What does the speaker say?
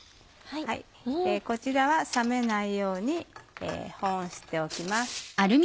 こちらは冷めないように保温しておきます。